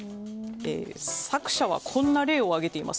作者は、こんな例を挙げています。